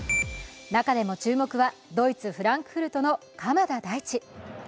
中でも注目はドイツ、フランクフルトの鎌田大地。